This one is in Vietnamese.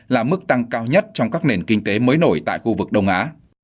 là mức tăng cao nhất trong các nền kinh tế mới nổi tại khu vực đông á